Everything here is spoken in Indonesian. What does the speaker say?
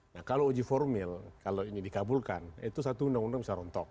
nah kalau uji formil kalau ini dikabulkan itu satu undang undang bisa rontok